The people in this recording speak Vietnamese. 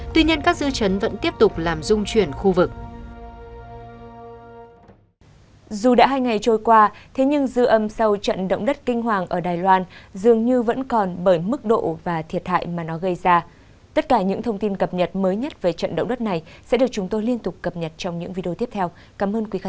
tuy nhiên các dư chấn vẫn tiếp tục làm dung chuyển khu vực